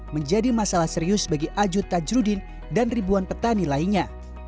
menjadi masalah serius bagi ajud tajrudin dan ribuan petani lainnya